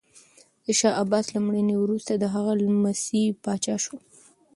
د شاه عباس له مړینې وروسته د هغه لمسی پاچا شو.